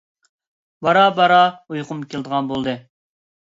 بارا-بارا ئۇيقۇم كېلىدىغان بولدى.